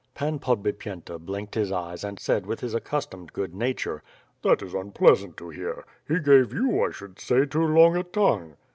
Pan Podbipyenta blinked his eyes and said with his accus tomed good nature: "That is unpleasan't to hear. He gave you, I should say, too long a tongue."